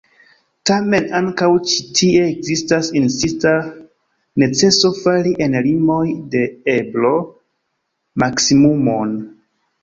Tamen ankaŭ ĉi tie ekzistas insista neceso fari en limoj de eblo maksimumon.